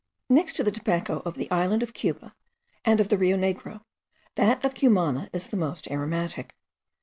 Next to the tobacco of the island of Cuba and of the Rio Negro, that of Cumana is the most aromatic.